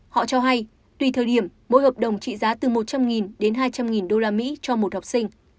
họ cho hay tùy thời điểm mỗi hợp đồng trị giá từ một trăm linh đến hai trăm linh usd cho một học sinh